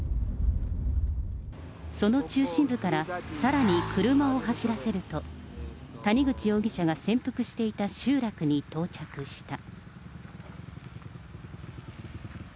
その中心部からさらに車を走らせると、谷口容疑者が潜伏していた集落に到着した。